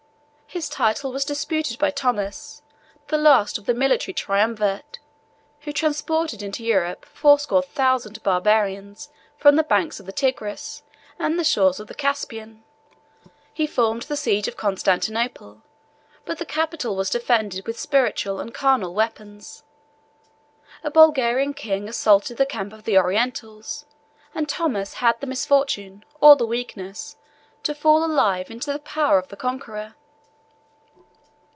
His title was disputed by Thomas, the last of the military triumvirate, who transported into Europe fourscore thousand Barbarians from the banks of the Tigris and the shores of the Caspian. He formed the siege of Constantinople; but the capital was defended with spiritual and carnal weapons; a Bulgarian king assaulted the camp of the Orientals, and Thomas had the misfortune, or the weakness, to fall alive into the power of the conqueror.